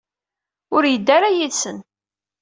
Ur yedda ara yid-sen.